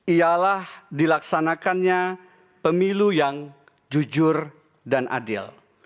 ialah dilaksanakannya pemilu yang jujur dan adil